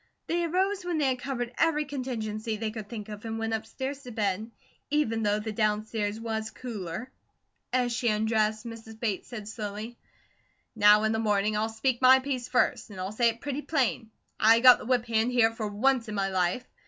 They arose when they had covered every contingency they could think of and went upstairs to bed, even though the downstairs was cooler. As she undressed, Mrs. Bates said slowly: "Now in the morning, I'll speak my piece first; and I'll say it pretty plain. I got the whip hand here for once in my life.